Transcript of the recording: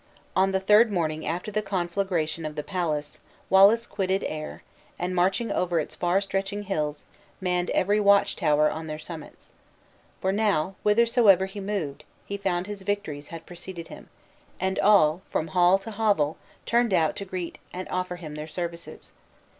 On the third morning after the conflagration of the palace, Wallace quitted Ayr; and marching over its far stretching hills, manned every watch tower on their summits. For now, whithersoever he moved, he found his victories had preceded him; and all, from hall to hovel, turned out to greet and offer him their services.